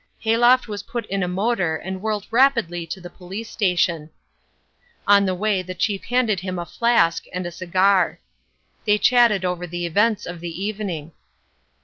Hayloft was put in a motor and whirled rapidly to the police station. On the way the chief handed him a flask and a cigar. They chatted over the events of the evening.